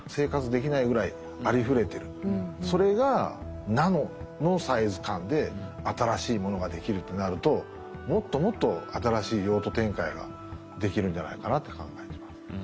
それがナノのサイズ感で新しいものができるとなるともっともっと新しい用途展開ができるんじゃないかなって考えてます。